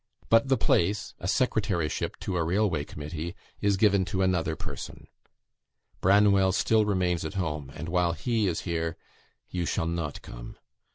But the place (a secretaryship to a railway committee) is given to another person. Branwell still remains at home; and while he is here, you shall not come.